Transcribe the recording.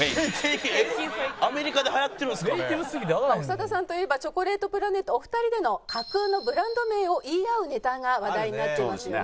長田さんといえばチョコレートプラネットお二人での架空のブランド名を言い合うネタが話題になっていますよね。